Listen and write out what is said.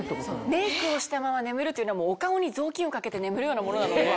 メイクをしたまま眠るというのはお顔に雑巾を掛けて眠るようなものなので。